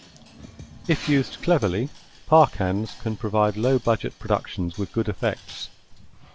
If used cleverly, par cans can provide low budget productions with good effects.